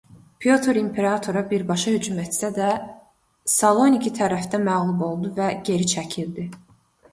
Pyotr imperatora birbaşa hücum etsə də Saloniki tərəfdə məğlub oldu və geri çəkildi.